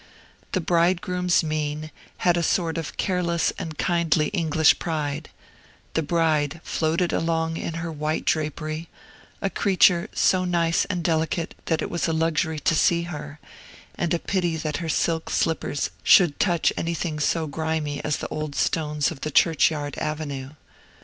The bridegroom's mien had a sort of careless and kindly English pride; the bride floated along in her white drapery, a creature, so nice and delicate that it was a luxury to see her, and a pity that her silk slippers should touch anything so grimy as the old stones of the churchyard avenue.